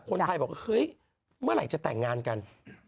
คนไทยบอกเฮ้ยเมื่อไหร่จะแต่งงานกัน